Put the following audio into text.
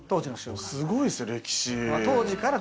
すごいですね、歴史。